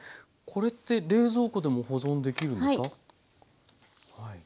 これって冷蔵庫でも保存できるんですか？